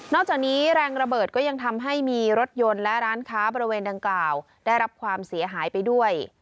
จากนี้แรงระเบิดก็ยังทำให้มีรถยนต์และร้านค้าบริเวณดังกล่าวได้รับความเสียหายไปด้วย